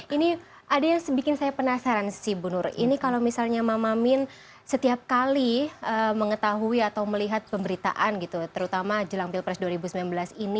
ini ada yang bikin saya penasaran sih bu nur ini kalau misalnya mama min setiap kali mengetahui atau melihat pemberitaan gitu terutama jelang pilpres dua ribu sembilan belas ini